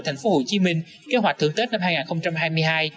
thành phố hồ chí minh kế hoạch thưởng tết năm hai nghìn hai mươi hai